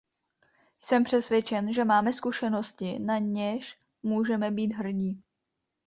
Jsem přesvědčen, že máme zkušenosti, na něž můžeme být hrdí.